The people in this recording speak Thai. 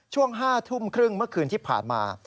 ช่วง๕ทุ่มครึ่งเมื่อคืนที่ผ่านมา